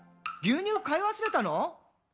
牛乳買い忘れたの？」